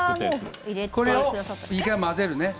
これを１回混ぜるね。